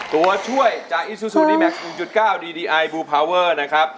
ตัวช่วยจากอีซูซูดีแม็กซ์อู๋จุดเก้าดีดีไอบูร์พาวเวอร์นะครับ